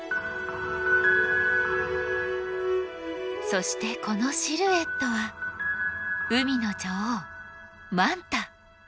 そしてこのシルエットは海の女王マンタ。